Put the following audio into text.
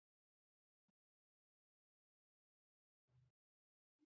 په نوي انداز کې دخبرو کولو هيله اوتجربه هم اوس په زړېدو ښکاري